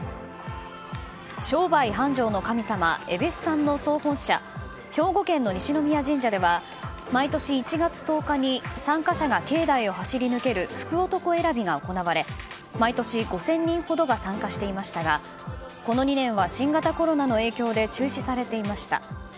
商売繁盛の神様えべっさんの総本社兵庫県の西宮神社では毎年１月１０日に参加者が境内を走り抜ける福男選びが行われ毎年５０００人ほどが参加していましたがこの２年は新型コロナの影響で中止されていました。